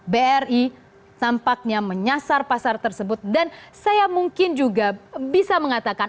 bri tampaknya menyasar pasar tersebut dan saya mungkin juga bisa mengatakan